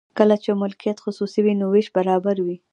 کله چې مالکیت خصوصي وي نو ویش نابرابر وي.